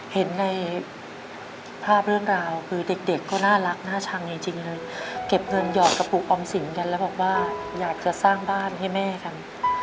เห็นในภาพเรื่องราวคือเด็กก็น่ารักน่าชังจริงเลยเก็บเงินหยอดกระปุกออมสินกันแล้วบอกว่าอยากจะสร้างบ้านให้แม่กัน